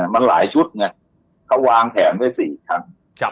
มันหลายชุดไงเขาวางแผนไว้๔ชั้น